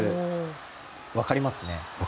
分かりますね。